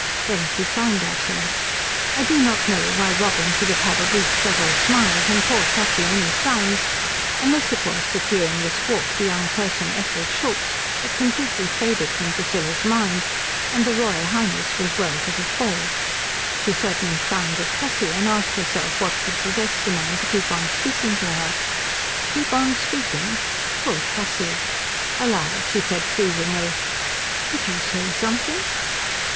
Then she frowned at him. I do not know why Robin should have had at least several smiles and poor Tussie only frowns, unless it was that during this walk the young person Ethel Schultz had completely faded from Priscilla's mind and the Royal Highness was well to the fore. She certainly frowned at Tussie and asked herself what could possess the man to keep on speaking to her. Keep on speaking! Poor Tussie. Aloud she said freezingly, "Did you say something?"